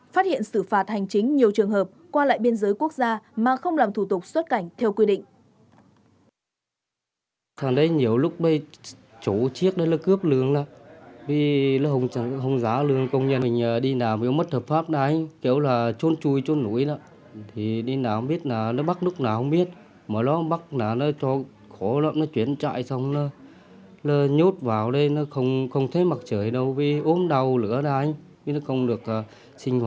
phát hiện xử phạt hành chính nhiều trường hợp qua lại biên giới quốc gia mà không làm thủ tục suốt cảnh theo quy định